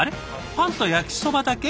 パンと焼きそばだけ？